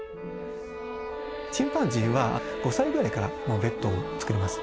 チンパンジーは５歳ぐらいからもうベッドを作ります。